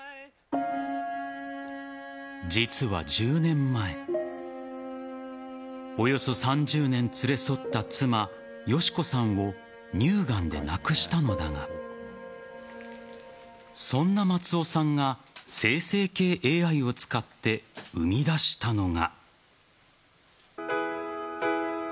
実は、１０年前およそ３０年連れ添った妻・敏子さんを乳がんで亡くしたのだがそんな松尾さんが生成系ＡＩを使って生み出したのが。